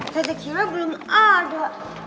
tata kira belum ada